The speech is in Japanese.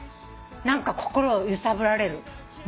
何か心を揺さぶられる。